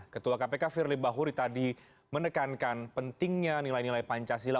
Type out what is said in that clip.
ketua kpk firly bahuri tadi menekankan pentingnya nilai nilai pancasila